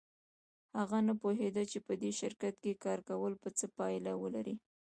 هغه نه پوهېده چې په دې شرکت کې کار کول به څه پایله ولري